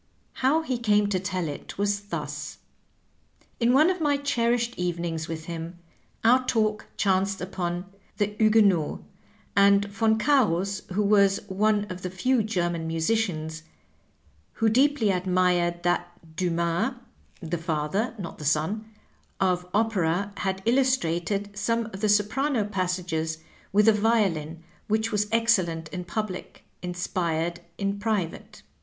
How he came i;o tell it was thus : In one of my cherished evenings with him our talk chanced upon "The Huguenots," and Yon Cams, who was one of the few German musicians who deeply admired that Dumas (the father, not the son) of opera, had illustrated some of the soprano passages with the violin which was excellent in public, inspired in private.